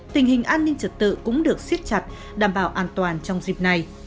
tình hình an ninh trật tự cũng được siết chặt đảm bảo an toàn trong dịp này